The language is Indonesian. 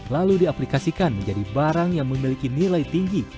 lalu diaplikasikan menjadi barang yang memiliki nilai tinggi